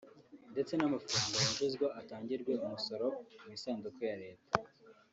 ndetse n’amafaranga yinjizwa atangirwe umusoro mu isanduku ya Leta